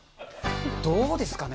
どうですかね？